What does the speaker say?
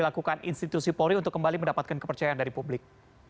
dilakukan institusi polri untuk kembali mendapatkan kepercayaan dari publik